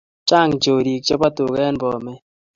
Chang chorik chepo tuka en Bomet